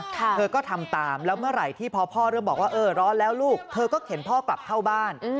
เธอก็ทำตามแล้วเมื่อไหร่ที่พอพ่อเริ่มบอกว่าเออร้อนแล้วลูกเธอก็เข็นพ่อกลับเข้าบ้าน